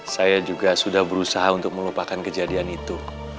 saya juga sudah berusaha untuk melupakan kejadian itu